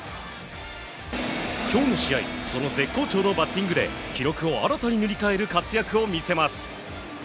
今日の試合その絶好調のバッティングで記録を新たに塗り替える活躍を見せます。